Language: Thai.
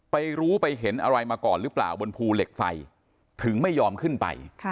รู้ไปเห็นอะไรมาก่อนหรือเปล่าบนภูเหล็กไฟถึงไม่ยอมขึ้นไป